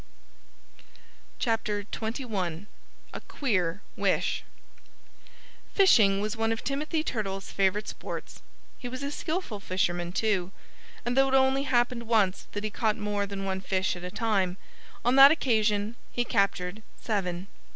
XXI A QUEER WISH Fishing was one of Timothy Turtle's favorite sports. He was a skillful fisherman, too. And though it only happened once that he caught more than one fish at a time, on that occasion he captured seven.